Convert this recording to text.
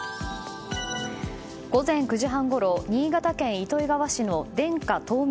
午前９時半ごろ新潟県糸魚川市のデンカ田海